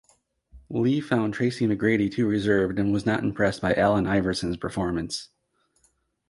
Lee found Tracy McGrady too reserved and was not impressed by Allen Iverson's performance.